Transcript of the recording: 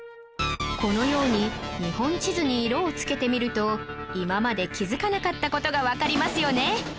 このように日本地図に色を付けてみると今まで気付かなかった事がわかりますよね